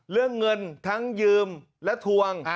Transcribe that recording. เรื่องเงินทั้งยืมและทวง